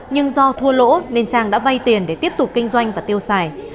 nhưng do thua lỗ nên trang đã vay tiền để tiếp tục kinh doanh và tiêu xài